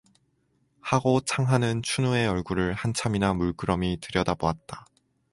하고 창하는 춘우의 얼굴을 한참이나 물끄러미 들여다보았다.